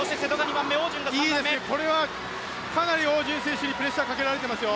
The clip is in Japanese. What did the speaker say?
いいですね、これはかなり汪順選手にプレッシャーをかけられていますよ。